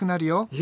え？